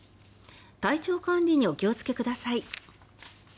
体調管理にお気をつけください。